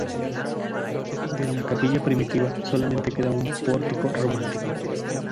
De la capilla primitiva solamente queda un pórtico románico.